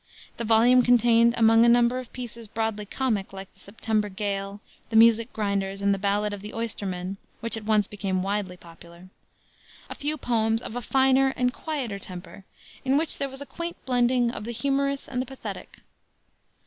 The volume contained among a number of pieces broadly comic, like the September Gale, the Music Grinders, and the Ballad of the Oysterman which at once became widely popular a few poems of a finer and quieter temper, in which there was a quaint blending of the humorous and the pathetic.